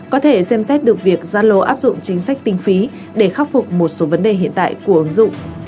có thể xem xét được việc zalo áp dụng chính sách tinh phí để khắc phục một số vấn đề hiện tại của ứng dụng